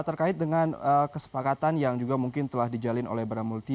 terkait dengan kesepakatan yang juga mungkin telah dijalin oleh badan multi